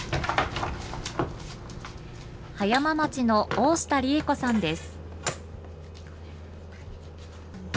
葉山町の大下利栄子さんです。